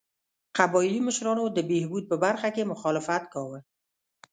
قبایلي مشرانو د بهبود په برخه کې مخالفت کاوه.